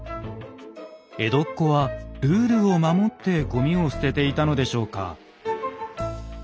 江戸っ子はルールを守ってごみを捨てていたのでしょうか？